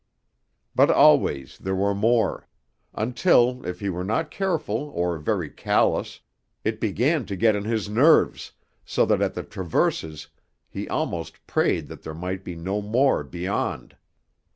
But always there were more; until, if he were not careful or very callous, it began to get on his nerves, so that at the traverses he almost prayed that there might be no more beyond.